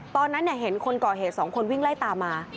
ตอนนั้นเห็นคนก่อเหตุ๒คนวิ่งไล่ตามมา